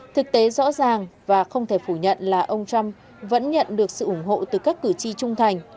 thực tế rõ ràng và không thể phủ nhận là ông trump vẫn nhận được sự ủng hộ từ các cử tri trung thành